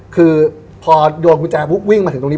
คือพอโดนกุญแจปุ๊บวิ่งมาถึงตรงนี้